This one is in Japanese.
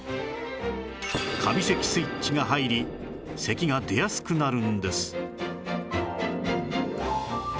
カビ咳スイッチが入り咳が出やすくなるんです